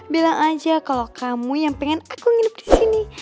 bilang aja kalau kamu yang pengen aku nginep disini